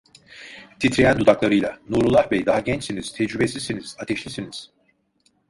Titreyen dudaklarıyla: Nurullah Bey, daha gençsiniz, tecrübesizsiniz, ateşlisiniz.